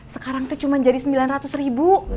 sekarang itu cuma jadi sembilan ratus ribu